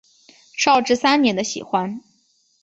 绍治三年的喜欢。